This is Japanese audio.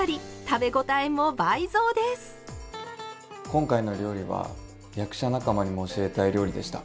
今回の料理は役者仲間にも教えたい料理でした。